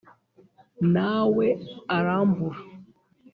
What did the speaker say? na we arambura;